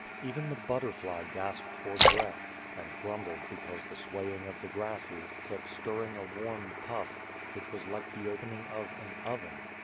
Even the butterfly gasped for breath, and grumbled because the swaying of the grasses set stirring a warm puff, which was like the opening of an oven.